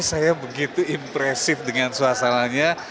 saya begitu impresif dengan suasananya